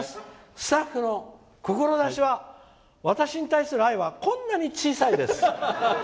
スタッフの志は私に対する愛はこんなに小さいです。